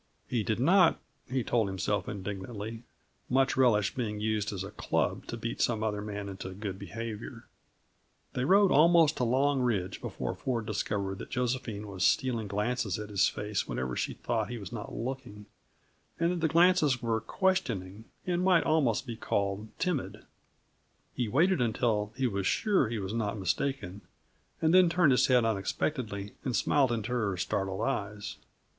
He did not, he told himself indignantly, much relish being used as a club to beat some other man into good behavior. They rode almost to Long Ridge before Ford discovered that Josephine was stealing glances at his face whenever she thought he was not looking, and that the glances were questioning, and might almost be called timid. He waited until he was sure he was not mistaken, and then turned his head unexpectedly, and smiled into her startled eyes.